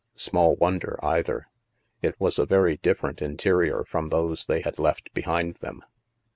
Small wonder, either. It was a very different interior from those they had left behind them.